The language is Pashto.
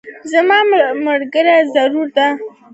زما ملګری زړور ده